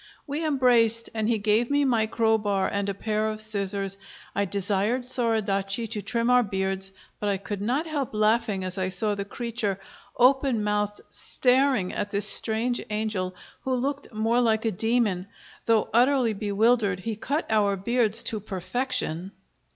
We embraced, and he gave me my crowbar and a pair of scissors. I desired Soradaci to trim our beards, but I could not help laughing as I saw the creature, open mouthed, staring at this strange angel, who looked more like a demon. Though utterly bewildered, he cut our beards to perfection.